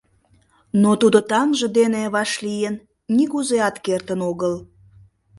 Но тудо таҥже дене вашлийын нигузеат кертын огыл.